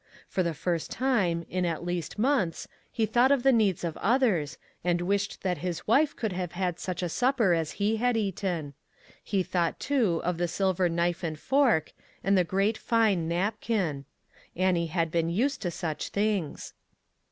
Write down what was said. For the first time, in at least months, he thought of the needs of others, and wished that his wife could have such a supper as he had eaten. He thought, too, of the silver knife and fork, and the great, fine napkin ! Annie had been used to such things.